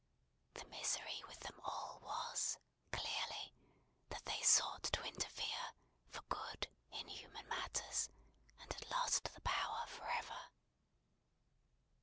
The misery with them all was, clearly, that they sought to interfere, for good, in human matters, and had lost the power for ever.